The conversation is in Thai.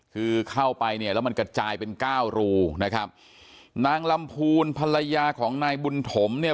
คือเข้าไปเนี่ยแล้วมันกระจายเป็นเก้ารูนะครับนางลำพูนภรรยาของนายบุญถมเนี่ย